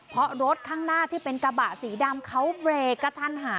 เพราะรถข้างหน้าที่เป็นกระบะสีดำเขาเบรกกระทันหัน